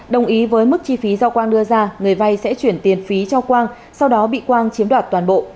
đồng ý với mức chi phí do quang đưa ra người vay sẽ chuyển tiền phí cho quang sau đó bị quang chiếm đoạt toàn bộ